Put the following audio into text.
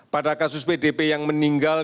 pada kasus pdp yang meninggal